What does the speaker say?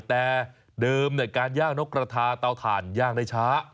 แต่เดิมการย่างนกกระทาเตาถ่านย่างได้ช้า